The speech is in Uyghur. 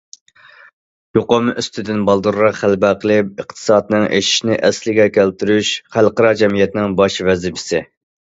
يۇقۇم ئۈستىدىن بالدۇرراق غەلىبە قىلىپ، ئىقتىسادنىڭ ئېشىشىنى ئەسلىگە كەلتۈرۈش خەلقئارا جەمئىيەتنىڭ باش ۋەزىپىسى.